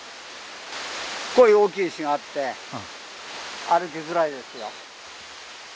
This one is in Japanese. こういう大きい石があって、歩きづらいですよ。